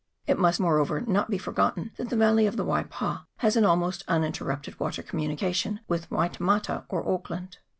It must, moreover, not be forgotten that the valley of the Waipa has an almost uninterrupted water communication with Waitemata or Auckland.